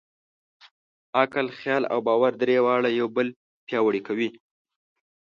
عقل، خیال او باور؛ درې واړه یو بل پیاوړي کوي.